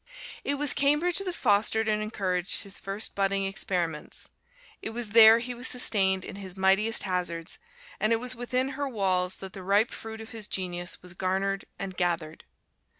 It was Cambridge that fostered and encouraged his first budding experiments; it was there he was sustained in his mightiest hazards; and it was within her walls that the ripe fruit of his genius was garnered and gathered.